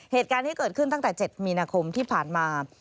เหตุการณ์ที่เกิดขึ้นตั้งแต่๗มีนาคมที่ผ่านมา